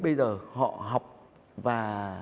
bây giờ họ học và